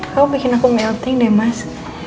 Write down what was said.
kamu bikin aku melting deh mas